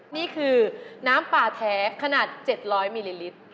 นี่คือน้ำป่าแท้ขนาด๗๐๐มิลลิลิตร